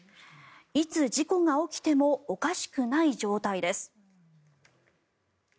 いつ事故が起きてもおかしくない状態です。